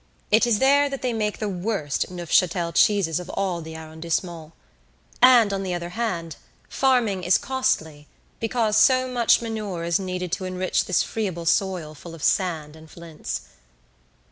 It is there that they make the worst Neufchâtel cheeses of all the arrondissement; and, on the other hand, farming is costly because so much manure is needed to enrich this friable soil full of sand and flints.